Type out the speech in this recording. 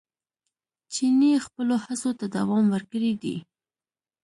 چیني خپلو هڅو ته دوام ورکړی دی.